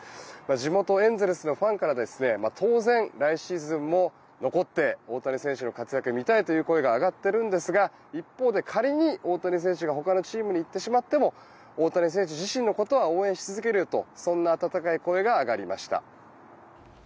地元エンゼルスのファンからは当然、来シーズンも残って大谷選手の活躍が見たいという声が上がっているんですが一方で仮に大谷選手がほかのチームに行ってしまっても大谷選手自身のことは応援し続けるとそんな温かい声が上がりました。